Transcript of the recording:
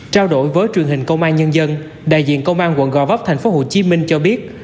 trao đổi với truyền hình công an nhân dân đại diện công an quận gò vấp thành phố hồ chí minh cho biết